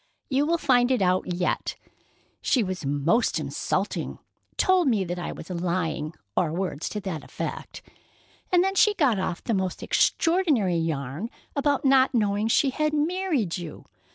You will find it out yet. She was most insulting—told me that I was lying, or words to that effect—and then she got off the most extraordinary yarn about not knowing she had married you.